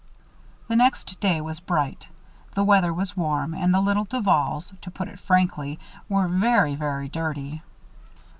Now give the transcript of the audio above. The next day was bright, the weather was warm, and the little Duvals, to put it frankly, were very, very dirty.